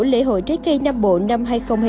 lễ hội trái cây nam bộ năm hai nghìn hai mươi bốn